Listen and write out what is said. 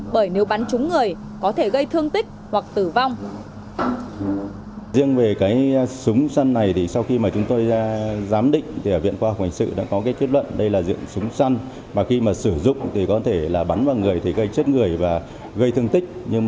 bởi nếu bắn trúng người có thể gây thương tích